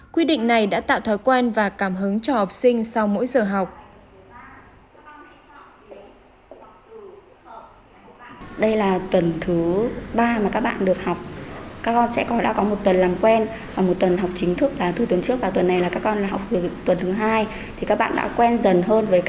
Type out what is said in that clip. quy định này đã tạo thói quen và cảm hứng cho học sinh sau mỗi giờ học